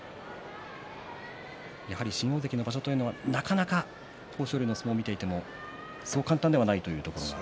やはり新大関の場所というのはなかなか豊昇龍の相撲を見ていてもそう簡単ではないというところが。